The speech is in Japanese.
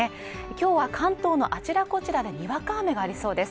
きょうは関東のあちらこちらでにわか雨がありそうです